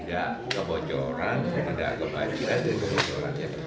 tidak kebocoran tidak kebanjiran tidak kebocoran